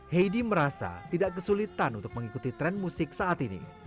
heidi merasa tidak kesulitan untuk mengikuti tren musik saat ini